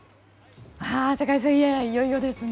世界水泳いよいよですね。